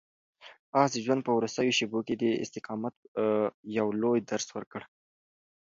آس د ژوند په وروستیو شېبو کې د استقامت یو لوی درس ورکړ.